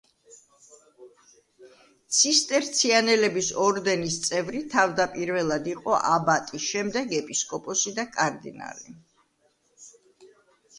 ცისტერციანელების ორდენის წევრი, თავდაპირველად იყო აბატი, შემდეგ ეპისკოპოსი და კარდინალი.